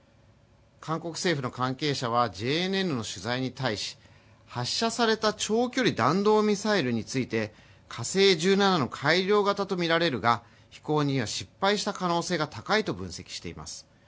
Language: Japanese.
韓国政府の関係者はＪＮＮの取材に対し発射された長距離弾道ミサイルについて、火星１７の改良型とみられるが飛行には失敗した可能性が高いと分析しています。